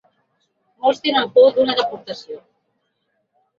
Molts tenen por d’una deportació.